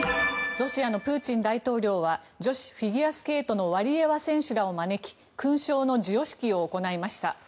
ロシアのプーチン大統領は女子フィギュアスケートのワリエワ選手らを招き勲章の授与式を行いました。